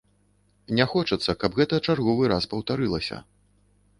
Не хочацца, каб гэта чарговы раз паўтарылася.